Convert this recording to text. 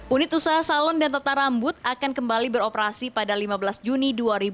unit usaha salon dan tata rambut akan kembali beroperasi pada lima belas juni dua ribu dua puluh